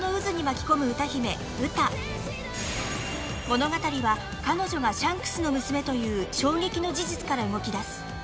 ［物語は彼女がシャンクスの娘という衝撃の事実から動き出す］